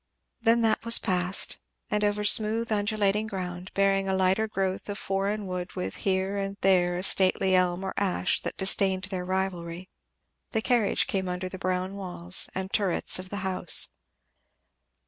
Then that was past; and over smooth undulating ground, bearing a lighter growth of foreign wood with here and there a stately elm or ash that disdained their rivalry, the carriage came under the brown walls and turrets of the house.